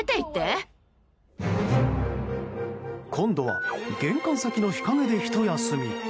今度は玄関先の日陰でひと休み。